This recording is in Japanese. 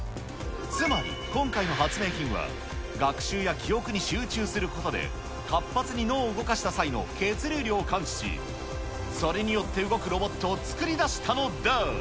つまり、今回の発明品は、学習や記憶に集中することで、活発に脳を動かした際の血流量を感知し、それによって動くロボットを作り出したのだ。